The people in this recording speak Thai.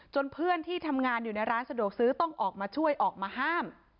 เพื่อนที่ทำงานอยู่ในร้านสะดวกซื้อต้องออกมาช่วยออกมาห้าม